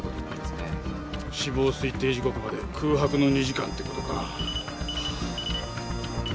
死亡推定時刻まで空白の２時間って事か。